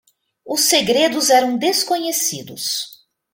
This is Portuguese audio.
Os segredos eram desconhecidos.